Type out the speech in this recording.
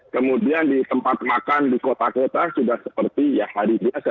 kemudian di tempat makan di kota kota sudah seperti hari biasa